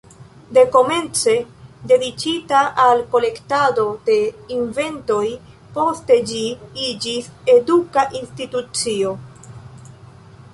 Dekomence dediĉita al kolektado de inventoj, poste ĝi iĝis eduka institucio.